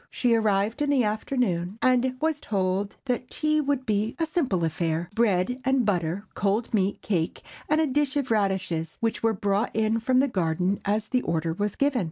She arrived in the afternoon, and was told that tea would be a simple affair—bread and butter, cold meat, cake, and a dish of radishes, which were brought in from the garden as the order was given.